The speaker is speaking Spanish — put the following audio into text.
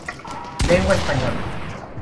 Lengua española